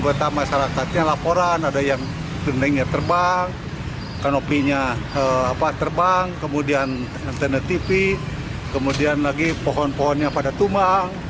kota masyarakatnya laporan ada yang gendengnya terbang kanopinya terbang kemudian antena tv kemudian lagi pohon pohonnya pada tumbang